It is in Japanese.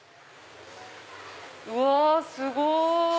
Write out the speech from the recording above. うわすごい！